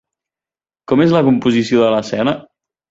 Com és la composició de l'escena?